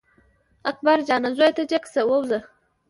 اکبر جانه زویه ته جګ شه ووځه.